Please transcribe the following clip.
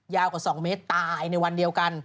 กว่า๒เมตรตายในวันเดียวกัน